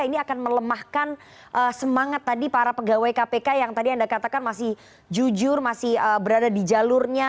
ini akan melemahkan semangat tadi para pegawai kpk yang tadi anda katakan masih jujur masih berada di jalurnya